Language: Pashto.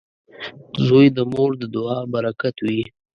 • زوی د مور د دعا برکت وي.